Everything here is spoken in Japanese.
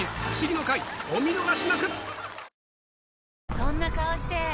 そんな顔して！